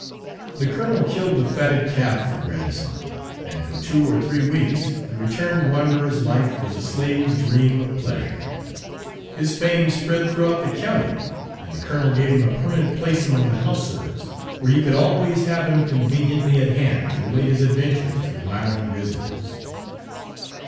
The colonel killed the fatted calf for Grandison, and for two or three weeks the returned wanderer's life was a slave's dream of pleasure. His fame spread throughout the county, and the colonel gave him a permanent place among the house servants, where he could always have him conveniently at hand to relate his adventures to admiring visitors.